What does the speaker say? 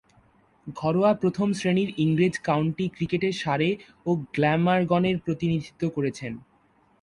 ঘরোয়া প্রথম-শ্রেণীর ইংরেজ কাউন্টি ক্রিকেটে সারে ও গ্ল্যামারগনের প্রতিনিধিত্ব করেছেন।